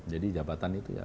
jadi jabatan itu ya